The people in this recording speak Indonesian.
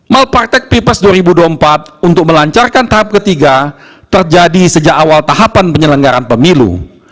malpraktek peoples dua ribu dua puluh empat untuk melancarkan tahap ketiga terjadi sejak awal tahapan penyelenggaran pemilu